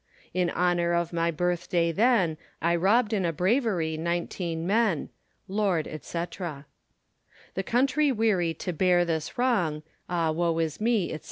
In honor of my birth day then, I robd in a bravery nineteen men. Lord, &c. The country weary to beare this wronge, Ah woe is me, &c.